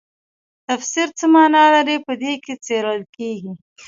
تفسیر څه مانا لري په دې کې څیړل کیږي.